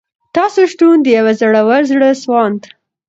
تاسو شتون د یوه زړور، زړه سواند